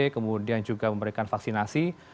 kemudian juga memberikan vaksinasi